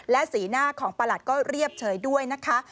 และสีหน้าของประหลัดก็เรียบเฉยด้วยนะคะ